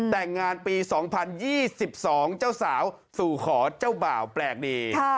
แต่งงานปี๒๐๒๒เจ้าสาวสู่ขอเจ้าบ่าวแปลกดี